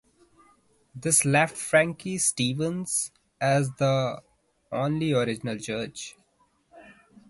This left Frankie Stevens as the only original judge.